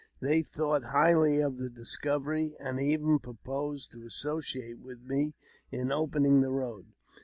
They thought highly of the discovery, and even proposed to associate with me in opening the road.